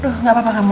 aduh gak apa apa kamu